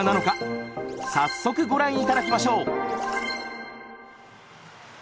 早速ご覧頂きましょう！